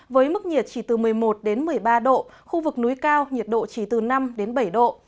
với mức nhiệt chỉ từ một mươi một đến một mươi ba độ khu vực núi cao nhiệt độ chỉ từ năm đến bảy độ